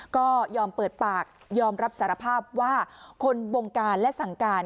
ก็ยอมเปิดปากยอมรับสารภาพว่าคนบงการและสั่งการ